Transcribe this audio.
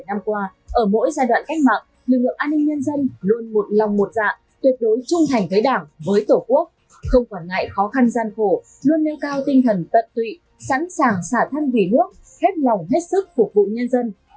bảy mươi năm qua ở mỗi giai đoạn cách mạng lực lượng an ninh nhân dân luôn một lòng một dạ tuyệt đối trung thành với đảng với tổ quốc không quản ngại khó khăn gian khổ luôn nêu cao tinh thần tận tụy sẵn sàng xả thân vì nước hết lòng hết sức phục vụ nhân dân